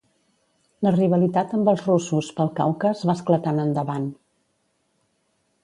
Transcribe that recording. La rivalitat amb els russos pel Caucas va esclatar en endavant.